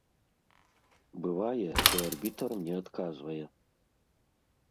Бывае, што арбітр мне адказвае.